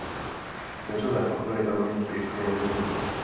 Keřové patro je velmi pěkně vyvinuto.